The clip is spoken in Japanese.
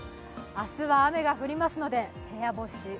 明日は雨が降りますので部屋干し。